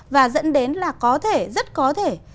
và dẫn đến là có thể rất có thể